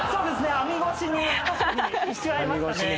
網越しに一瞬合いましたね。